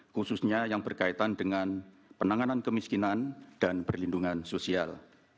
khususnya yang berkaitan dengan penanganan kemiskinan dan perlindungan sosial